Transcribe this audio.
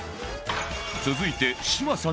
続いて嶋佐さん